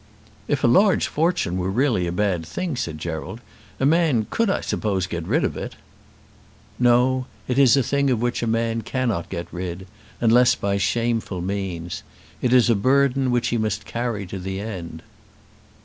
"If a large fortune were really a bad thing," said Gerald, "a man could I suppose get rid of it." "No; it is a thing of which a man cannot get rid, unless by shameful means. It is a burden which he must carry to the end."